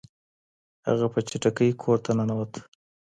هغه په چټکۍ کور ته ننوت.